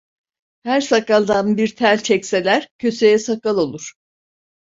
Her sakaldan bir tel çekseler, köseye sakal olur.